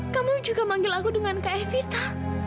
kamu juga manggil aku dengan kak evita